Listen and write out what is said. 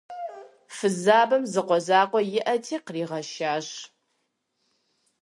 Фызабэм зы къуэ закъуэ иӀэти, къригъэшащ.